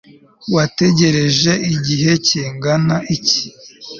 wategereje igihe kingana iki